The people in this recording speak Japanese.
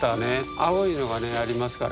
青いのがねありますから。